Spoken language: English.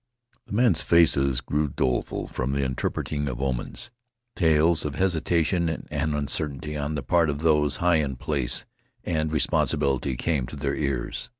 The men's faces grew doleful from the interpreting of omens. Tales of hesitation and uncertainty on the part of those high in place and responsibility came to their ears.